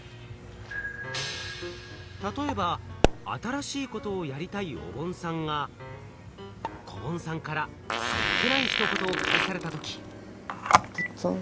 例えば新しいことをやりたいおぼんさんがこぼんさんからそっけないひと言を返された時。